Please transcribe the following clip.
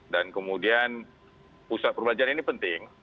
dan kemudian pusat perbelanjaan ini penting